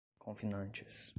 confinantes